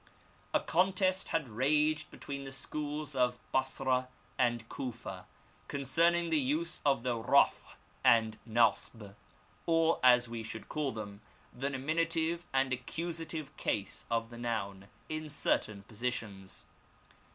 A contest had raged between the schools of Basra and Cufa concerning the use of the raf* and naab, or, as we should call them, the nominative and accusative case of the noun, in certain positions.